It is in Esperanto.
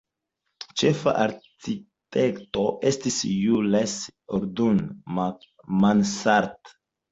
Ĉefa arkitekto estis Jules Hardouin-Mansart.